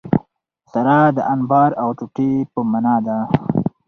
سره د انبار او ټوټي په مانا ده.